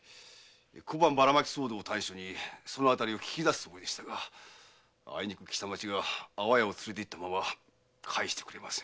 小判ばらまき騒動を端緒にそれを聞き出すつもりでしたがあいにく北町が安房屋を連れていったまま返してくれません。